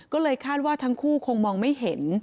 ก็เลยคาดว่าทั้งคู่คงมองไม่เห็น